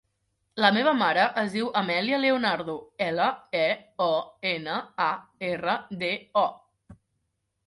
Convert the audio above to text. La meva mare es diu Amèlia Leonardo: ela, e, o, ena, a, erra, de, o.